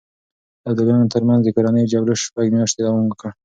د ابداليانو ترمنځ کورنيو جګړو شپږ مياشتې دوام وکړ.